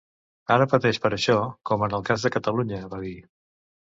Ara pateix per això, com amb el cas de Catalunya, va dir.